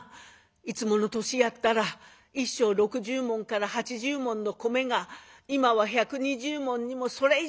いつもの年やったら１升６０文から８０文の米が今は１２０文にもそれ以上にもなっとるがや。